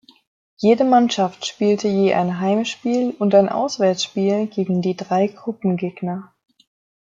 Jede Mannschaft spielte je ein Heimspiel und ein Auswärtsspiel gegen die drei Gruppengegner.